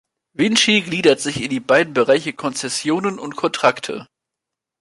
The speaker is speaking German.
Vinci gliedert sich in die beiden Bereiche Konzessionen und Kontrakte.